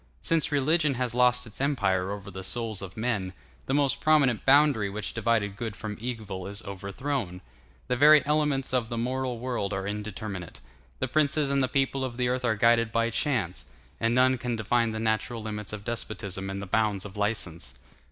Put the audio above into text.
Since religion has lost its empire over the souls of men, the most prominent boundary which divided good from evil is overthrown; the very elements of the moral world are indeterminate; the princes and the peoples of the earth are guided by chance, and none can define the natural limits of despotism and the bounds of license.